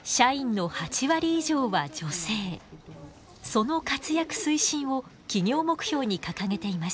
その活躍推進を企業目標に掲げています。